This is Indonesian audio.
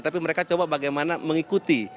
tapi mereka coba bagaimana mengikuti